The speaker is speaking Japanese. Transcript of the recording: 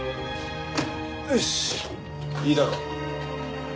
よしいいだろう。